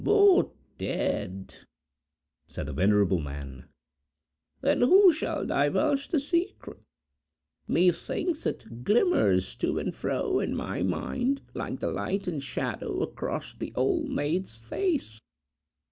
"Both dead!" said the venerable man. "Then who shall divulge the secret? Methinks it glimmers to and fro in my mind, like the light and shadow across the Old Maid's face.